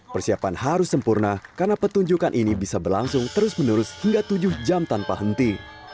persiapan harus sempurna karena petunjukan ini bisa berlangsung terus menerus hingga tujuh jam tanpa henti